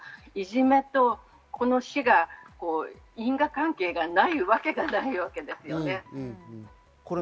いじめと、この死が因果関係がないわけがないわけですよね。